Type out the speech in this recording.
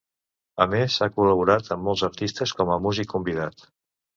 A més, ha col·laborat amb molts artistes com a músic convidat.